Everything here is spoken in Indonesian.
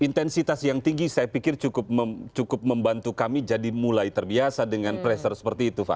intensitas yang tinggi saya pikir cukup membantu kami jadi mulai terbiasa dengan pressure seperti itu pak